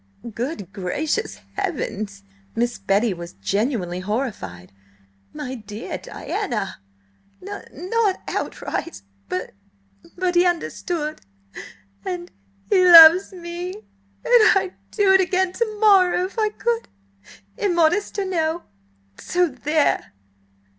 "Good gracious heavens!" Miss Betty was genuinely horrified. "My dear Diana!" "N not outright–b but he understood–and–he loves me! And I'd do it again to morrow, if I could–immodest or no! So there!"